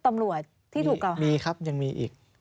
มีครับยังมีอีก